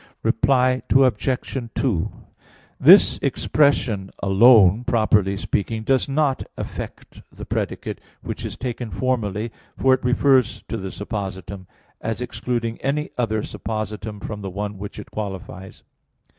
Reply Obj. 2: This expression "alone," properly speaking, does not affect the predicate, which is taken formally, for it refers to the suppositum, as excluding any other suppositum from the one which it qualifies.